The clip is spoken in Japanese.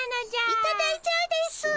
いただいちゃうですぅ。